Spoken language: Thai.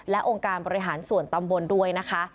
และองค์การบริหารส่วนตำบลด้วยนะคะ